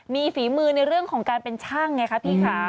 มีฝีมือในเรื่องของการเป็นช่างไงคะพี่ค่ะ